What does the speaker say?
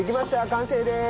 完成です。